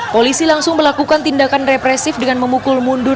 polisi langsung melakukan tindakan represif dengan memukul mundur